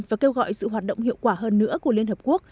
và kêu gọi sự hoạt động hiệu quả hơn nữa của liên hợp quốc